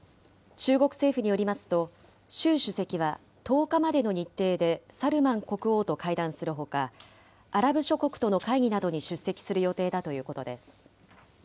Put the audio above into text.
中国政府によりますと、習主席は１０日までの日程でサルマン国王と会談するほか、アラブ諸国との会議などに出席する予定だということです。